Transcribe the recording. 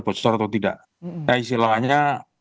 bosor atau tidak nah istilahnya